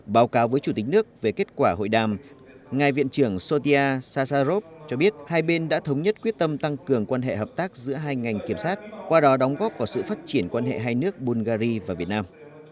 báo cáo với chủ tịch nước về kết quả hội đàm ngài viện trưởng sotia sasarov cho biết hai bên đã thống nhất quyết tâm tăng cường quan hệ hợp tác giữa hai ngành kiểm sát qua đó đóng góp vào sự phát triển quan hệ hai nước bungary và việt nam